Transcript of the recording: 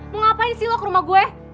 mau ngapain sih lo ke rumah gue